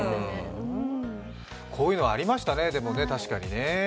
こういうのありましたね、でも確かにね。